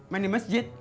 main di masjid